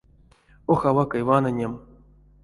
Ох, авакай ванынем!